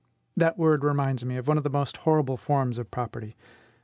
That word reminds me of one of the most horrible forms of property.